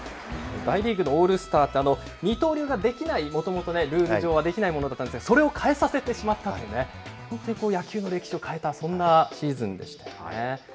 大リーグのオールスター、二刀流ができない、もともとルール上はできないものだったんですが、それを変えさせてしまったというね、本当に野球の歴史を変えた、そんなシーズンでしたね。